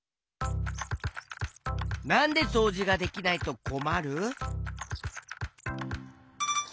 なんでそうじができないとこまる？